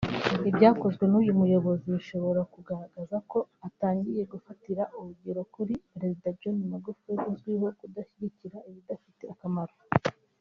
Ibyakozwe n’uyu muyobozi bishobora kugaragaza ko atangiye gufatira urugero kuri Perezida John Magufuli uzwiho kudashyigikira ibidafite akamaro